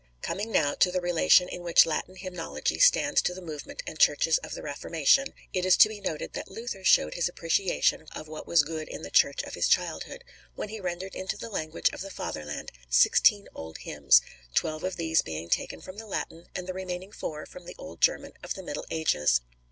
Coming now to the relation in which Latin hymnology stands to the movement and Churches of the Reformation, it is to be noted that Luther showed his appreciation of what was good in the Church of his childhood when he rendered into the language of the Fatherland sixteen old hymns, twelve of these being taken from the Latin and the remaining four from the Old German of the Middle Ages.